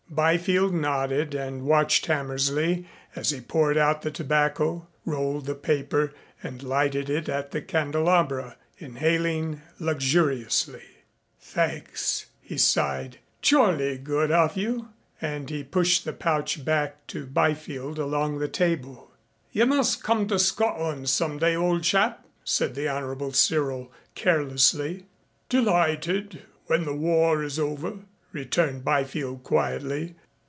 Byfield nodded and watched Hammersley as he poured out the tobacco, rolled the paper and lighted it at the candelabra, inhaling luxuriously. "Thanks," he sighed. "Jolly good of you," and he pushed the pouch back to Byfield along the table. "You must come to Scotland some day, old chap," said the Honorable Cyril carelessly. "Delighted. When the war is over," returned Byfield quietly.